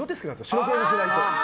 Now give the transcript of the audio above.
白黒にしないと。